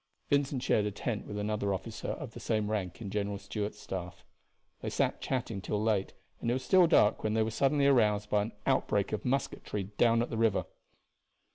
Vincent shared a tent with another officer of the same rank in General Stuart's staff. They sat chatting till late, and it was still dark when they were suddenly aroused by an outbreak of musketry down at the river.